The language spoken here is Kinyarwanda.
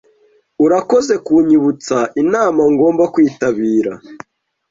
Urakoze kunyibutsa inama ngomba kwitabira.